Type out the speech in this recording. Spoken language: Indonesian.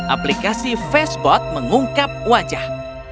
aplikasi facebot mengungkap wajah